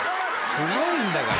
すごいんだから。